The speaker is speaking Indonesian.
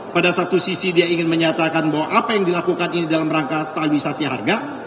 pada satu sisi dia ingin menyatakan bahwa apa yang dilakukan ini dalam rangka stabilisasi harga